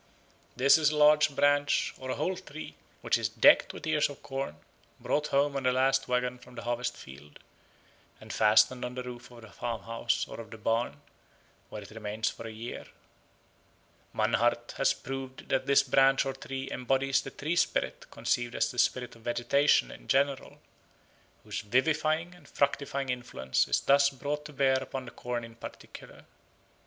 This is a large branch or a whole tree, which is decked with ears of corn, brought home on the last waggon from the harvest field, and fastened on the roof of the farmhouse or of the barn, where it remains for a year. Mannhardt has proved that this branch or tree embodies the tree spirit conceived as the spirit of vegetation in general, whose vivifying and fructifying influence is thus brought to bear upon the corn in particular.